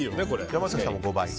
山崎さんも５倍。